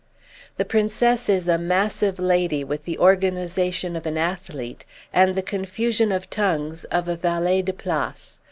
"The Princess is a massive lady with the organisation of an athlete and the confusion of tongues of a valet de place.